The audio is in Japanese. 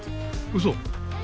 嘘？